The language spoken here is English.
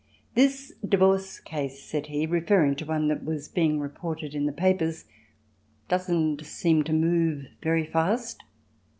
"This divorce case," said he, referring to one that was being reported in the papers, "doesn't seem to move very fast."